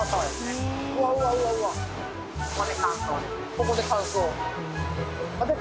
ここで乾燥。